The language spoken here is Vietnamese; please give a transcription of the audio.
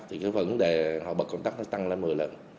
thì cái vấn đề họ bật công tác nó tăng lên một mươi lần